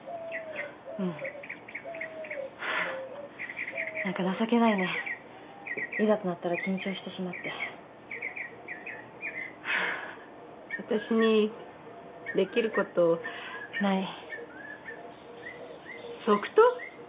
うんふふっなんか情けないねいざとなったら緊張してしまってふふっ私にできることない即答？